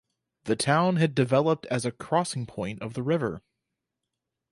The town had developed as a crossing point of the river.